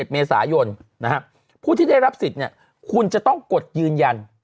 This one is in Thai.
เมษายนผู้ที่ได้รับสิทธิ์คุณจะต้องกดยืนยัน